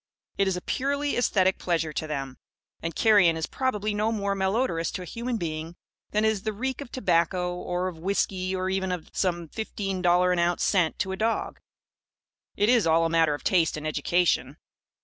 It is a purely æsthetic pleasure to them. And carrion is probably no more malodorous to a human being than is the reek of tobacco or of whisky or even of some $15 an ounce scent, to a dog. It is all a matter of taste and of education.